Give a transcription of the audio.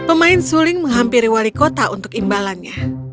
pemain suling menghampiri wali kota untuk imbalannya